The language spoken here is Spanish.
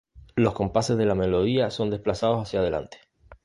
Los compases de la melodía son desplazados hacia adelante.